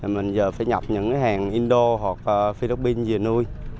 mình giờ phải nhập những hàng indo hoặc philippines về nuôi